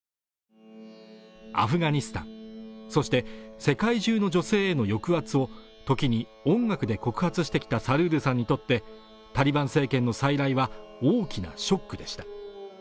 アフガニスタンそして世界中の女性への抑圧を時に音楽で告発してきたサルールさんにとってタリバン政権の再来は大きなショックでした